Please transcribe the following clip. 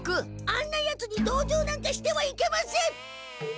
あんなヤツにどうじょうなんかしてはいけません！